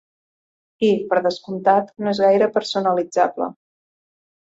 I, per descomptat, no és gaire personalitzable.